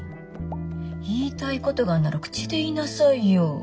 言いたいことがあるなら口で言いなさいよ。